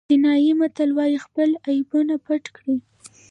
چینایي متل وایي خپل عیبونه پټ کړئ.